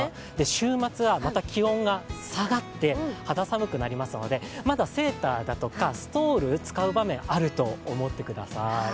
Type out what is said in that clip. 週末はまた気温が下がって肌寒くなりますのでまだセーターだとかストール使う場面あると思ってください。